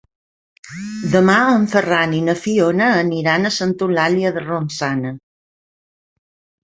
Demà en Ferran i na Fiona aniran a Santa Eulàlia de Ronçana.